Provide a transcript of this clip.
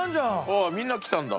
ああみんなきたんだ。